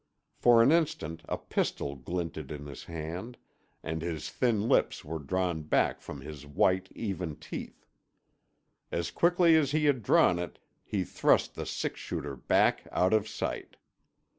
For an instant a pistol glinted in his hand, and his thin lips were drawn back from his white, even teeth. As quickly as he had drawn it he thrust the six shooter back out of sight.